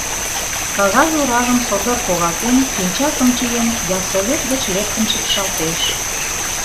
Кагаз оражым содор погалтен, пинчакым чиен, ялсовет гыч лектын шикшалтеш.